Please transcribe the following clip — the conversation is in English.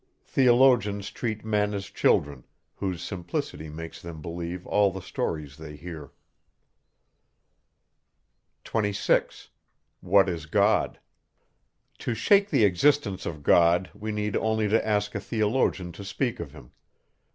Theologians treat men as children, whose simplicity makes them believe all the stories they hear. 26. To shake the existence of God, we need only to ask a theologian to speak of him.